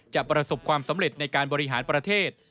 ประสบความสำเร็จในการบริหารประเทศ